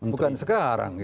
bukan sekarang gitu